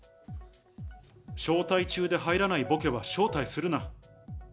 招待中で入らないぼけは招待するな。